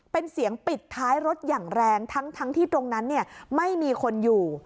เป็นเสียงปิดท้ายรถอย่างแรงทั้งที่ตรงนั้นไม่มีคนอยู่